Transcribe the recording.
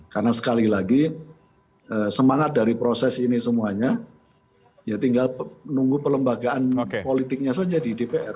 karena sekali lagi semangat dari proses ini semuanya ya tinggal nunggu pelembagaan politiknya saja di dpr